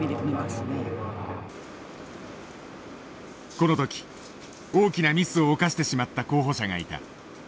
この時大きなミスを犯してしまった候補者がいた。